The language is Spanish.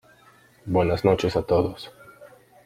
Buenas noches a todos.